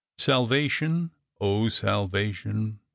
Salvation ! salvation